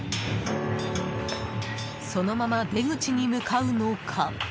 そのまま出口に向かうのか？